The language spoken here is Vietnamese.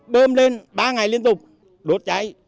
bơm lên ba ngày liên tục đốt cháy